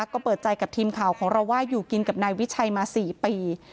ก็เปิดใจกับทีมข่าวของเราว่าอยู่กินกับนายวิชัยมา๔ปี